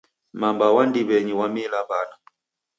Mamba w'a ndiw'enyi w'amila w'ana.